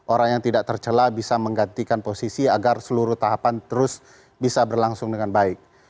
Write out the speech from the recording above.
orang yang tidak tercelah bisa menggantikan posisi agar seluruh tahapan terus bisa berlangsung dengan baik